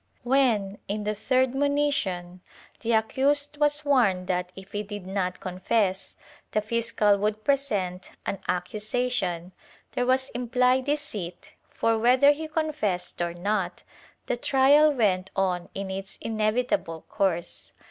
^ When, in the third monition, the accused was warned that, if he did not confess, the fiscal would present an accusation, there was implied deceit for, whether he confessed or not, the trial went on in its inevitable course.